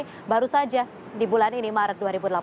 jadi baru saja di bulan ini maret dua ribu delapan belas